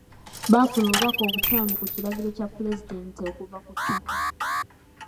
Baafuna obubaka obukyamu ku kiragiro kya pulezidenti okuva ku ttaka.